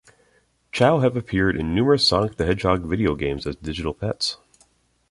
Chao have appeared in numerous "Sonic the Hedgehog" video games as digital pets.